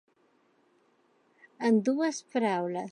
En dues paraules.